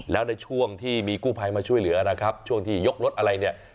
แล้วในช่วงที่มีกู้ภัยมาช่วยเหลือนะครับช่วงที่ยกรถอะไรเนี่ย